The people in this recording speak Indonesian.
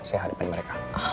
saya hadapin mereka